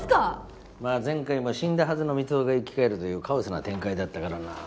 まあ前回も死んだはずの光雄が生き返るというカオスな展開だったからな。